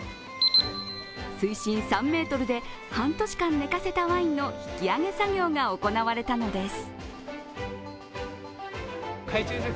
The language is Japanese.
水深３ｍで半年間寝かせたワインの引き揚げ作業が行われたのです。